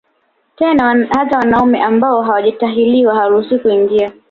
Tena hata wanaume ambao hawajatahiriwa hawaruhusiwi kuingia